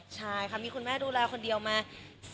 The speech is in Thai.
ใช่ค่ะมีคุณแม่ดูแลคนเดียวมา๓๔ปีแล้วค่ะ